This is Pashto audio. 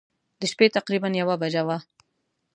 د شپې تقریباً یوه بجه وه.